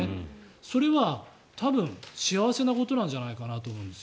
それは多分幸せなことなんじゃないかなと思うんですよ。